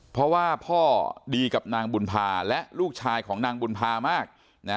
เพราะว่าพ่อดีกับนางบุญภาและลูกชายของนางบุญภามาก